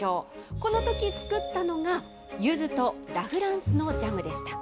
このとき、作ったのがゆずとラ・フランスのジャムでした。